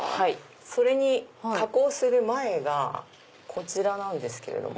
それに加工する前がこちらなんですけれども。